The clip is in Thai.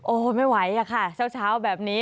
โอ้โหไม่ไหวอะค่ะเช้าแบบนี้